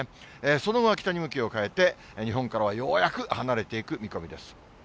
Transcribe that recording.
その後は北に向きを変えて、日本からはようやく離れていく見込みです。